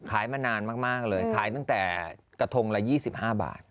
มานานมากเลยขายตั้งแต่กระทงละ๒๕บาท